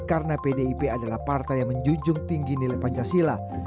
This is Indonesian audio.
adalah partai yang menjunjung tinggi nilai pancasila